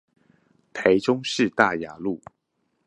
台中市大雅路